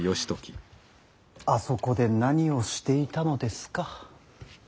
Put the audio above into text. あそこで何をしていたのですか。